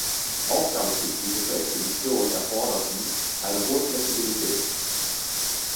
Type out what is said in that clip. Aufgabenspezifische Expeditionen erforderten eine hohe Flexibilität.